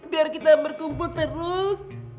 biar kita berkumpul terus